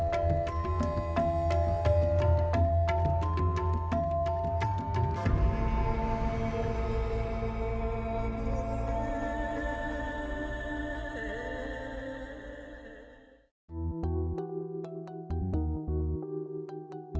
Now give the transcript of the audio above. kalau faithful itu basah misi kok